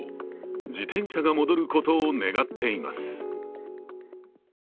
自転車が戻ることを願っています。